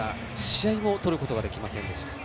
試合も取ることができませんでした。